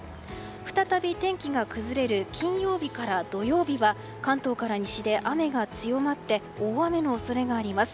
再び天気が崩れる金曜日から土曜日は関東から西で雨が強まって大雨の恐れがあります。